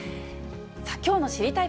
きょうの知りたいッ！